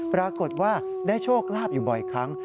ปรากฏว่าได้โชคลาภอยู่บ่อยครั้ง